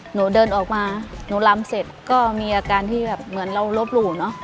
หนูเดินออกมาหนูลำเสร็จก็มีอาการที่แบบเหมือนเราลบหลู่เนอะ